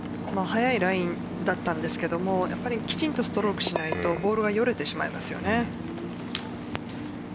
速いラインだったんですけどもきちんとストロークしないとボールがよれてしまいますよね。